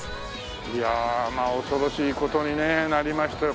いやあまあ恐ろしい事にねなりましたよ。